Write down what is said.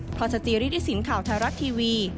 พอเจอที่สินข่าวทารัททีวี